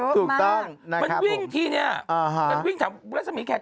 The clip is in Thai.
ถูกต้องนะครับผมเป็นวิ่งทีนี้เป็นวิ่งจากรัศมีแขก